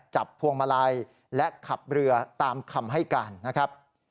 พวงมาลัยและขับเรือตามคำให้การนะครับ